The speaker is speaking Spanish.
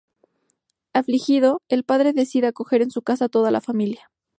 Afligido, el padre decide acoger en su casa a toda la familia.